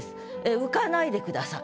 浮かないでください。